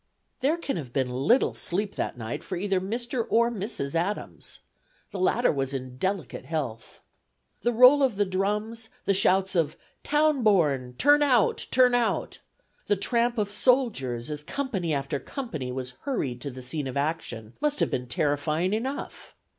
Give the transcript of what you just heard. There can have been little sleep that night for either Mr. or Mrs. Adams. The latter was in delicate health. The roll of the drums, the shouts of "Town born, turn out, turn out!" the tramp of soldiers, as company after company was hurried to the scene of action, must have been terrifying enough.